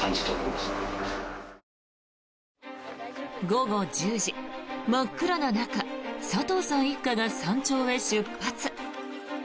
午後１０時真っ暗な中、佐藤さん一家が山頂へ出発。